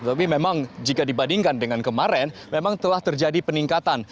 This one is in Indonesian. tapi memang jika dibandingkan dengan kemarin memang telah terjadi peningkatan